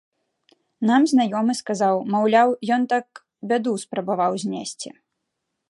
Нам знаёмы сказаў, маўляў, ён так бяду спрабаваў знесці.